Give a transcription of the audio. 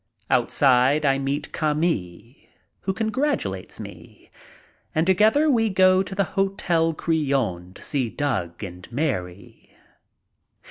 Outside I meet Cami, who congratulates me, and together we go to the Hotel Crillon to see Doug and Mary.